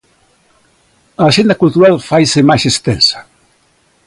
A axenda cultural faise máis extensa.